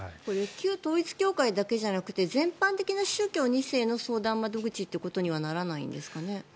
旧統一教会だけじゃなくて全般的な宗教２世の相談窓口ということにはならないんですかね？